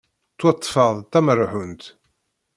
Ttwaṭṭfeɣ d tamerhunt.